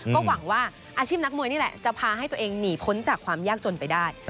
ก็หวังว่าอาชีพนักมวยนี่แหละจะพาให้ตัวเองหนีพ้นจากความยากจนไปได้